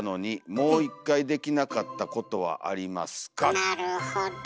なるほど。